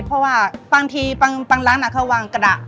เพราะว่าบางทีบางร้านเขาวางกระดาษ